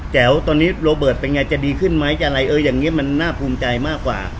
ตอนนี้โรเบิร์ตเป็นไงจะดีขึ้นไหมจะอะไรเอออย่างนี้มันน่าภูมิใจมากกว่า